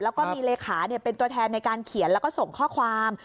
แล้วก็มีเลขาเป็นตัวแทนในการเขียนแล้วก็ส่งข้อความ